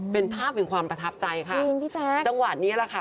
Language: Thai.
เป็นภาพเป็นความประทับใจค่ะจังหวัดนี้แหละค่ะ